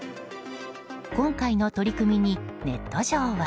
今回の取り組みにネット上は。